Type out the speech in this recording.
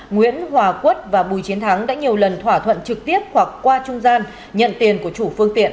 nguyễn hòa quất và bùi chiến thắng đã nhiều lần thỏa thuận trực tiếp hoặc qua trung gian nhận tiền của chủ phương tiện